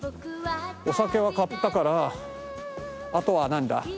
お酒は買ったからあとはなんだ？